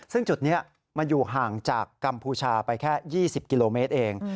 ซึ่งจุดนี้มันอยู่ห่างจากกัมพูชาไปแค่๒๐กิโลเมตรเอง